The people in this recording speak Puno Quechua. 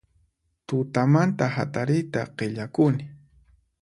Tutamanta hatariyta qillakuni